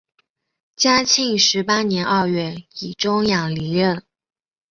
嘉庆十八年二月以终养离任。